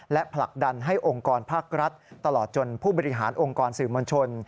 และผลักดันให้องค์กรภาครัฐตลอดจนผู้บริหารองค์กรสื่อมวลชน